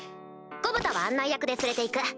ゴブタは案内役で連れて行く。